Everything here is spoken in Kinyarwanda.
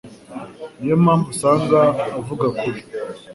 Niyo mpamvu usanga avuga kubi